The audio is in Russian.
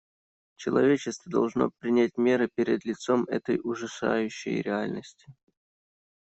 Человечество должно принять меры перед лицом этой ужасающей реальности.